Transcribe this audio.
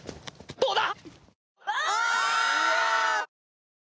どうだ！？